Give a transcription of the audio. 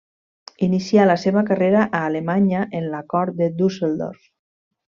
Inicià la seva carrera a Alemanya, en la cort de Düsseldorf.